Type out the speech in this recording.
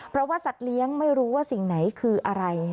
เพราะว่าสัตว์เลี้ยงไม่รู้ว่าสิ่งไหนคืออะไร